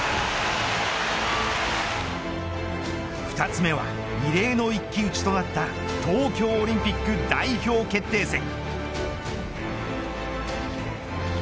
２つ目は異例の一騎打ちとなった東京オリンピック代表決定戦。